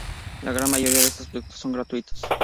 La gran mayoría de estos productos son gratuitos.